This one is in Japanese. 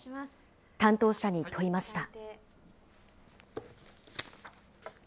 担当者に問いました。